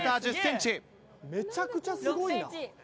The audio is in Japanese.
めちゃくちゃすごいな！